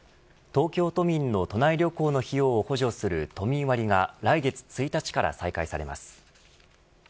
東京都民の都内旅行の費用を補助する都民割が来月１日から再開されます。